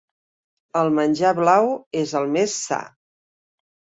El menjar blau és el més sa.